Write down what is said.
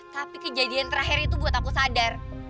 tapi kejadian terakhir itu buat aku sadar